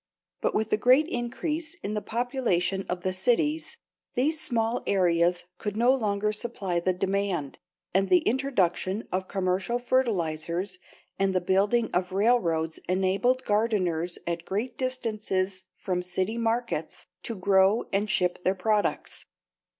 But with the great increase in the population of the cities, these small areas could no longer supply the demand, and the introduction of commercial fertilizers and the building of railroads enabled gardeners at great distances from city markets to grow and ship their products.